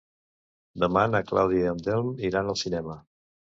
Demà na Clàudia i en Telm iran al cinema.